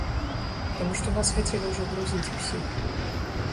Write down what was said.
Таму што нас хацелі ўжо грузіць усіх.